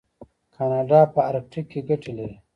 کاناډا په ارکټیک کې ګټې لري.